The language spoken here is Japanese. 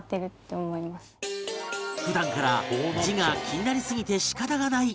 普段から字が気になりすぎて仕方がない